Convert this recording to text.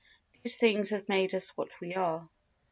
These things have made us what we are.